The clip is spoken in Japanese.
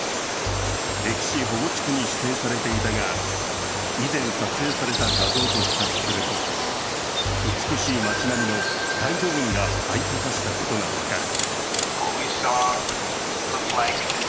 歴史保護地区に指定されていたが以前撮影された画像と比較すると美しい町並みの大部分が灰と化したことが分かる。